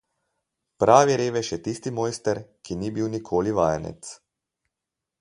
Pravi revež je tisti mojster, ki ni bil nikoli vajenec.